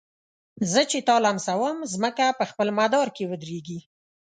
زه چي تا لمسوم مځکه په خپل مدار کي ودريږي